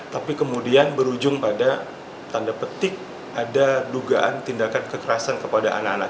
tapi kemudian berujung pada tanda petik ada dugaan tindakan kekerasan kepada anak anak